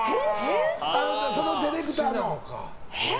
そのディレクターの。